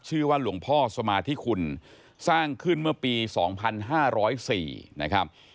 ชื่อว่าหลวงพ่อสมาธิคุณสร้างขึ้นเมื่อปี๒๕๐๔นะครับ